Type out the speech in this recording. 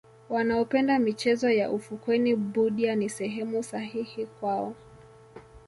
wanaopenda michezo ya ufukweni budya ni sehemu sahihi kwao